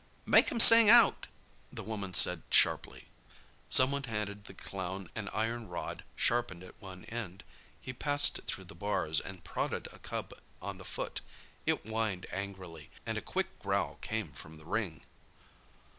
"Make 'em sing out!" the woman said sharply. Someone handed the clown an iron rod sharpened at one end. He passed it through the bars, and prodded a cub on the foot. It whined angrily, and a quick growl came from the ring.